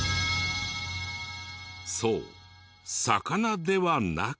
そう魚ではなく。